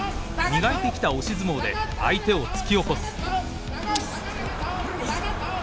磨いてきた押し相撲で相手を突き起こす。